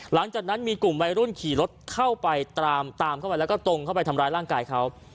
หลังจากนั้นมีกลุ่มวัยรุ่นขี่รถเข้าไปตามเข้าไปแล้วก็ตรงเข้าไปทำร้ายร่างกายเขา